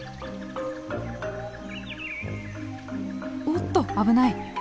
おっと危ない。